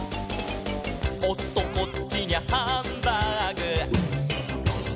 「おっとこっちにゃハンバーグ」